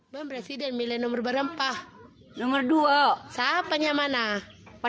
menurut saya siapa yang menurut saya